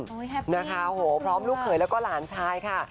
โอ้ยแฮปปี้ขอบคุณค่ะพร้อมลูกเขยและก็หลานชายค่ะ